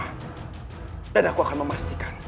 aku akan mengusut siapa orang yang telah melakukan ini semua